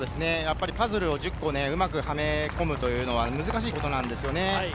パズルを１０個うまくはめ込むというのは難しいことなんですよね。